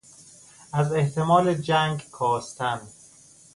از احتمال جنگ کاستن